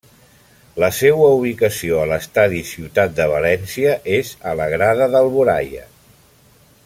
La seua ubicació a l'Estadi Ciutat de València és a la grada d'Alboraia.